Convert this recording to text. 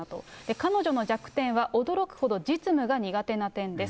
彼女の弱点は、驚くほど実務が苦手な点です。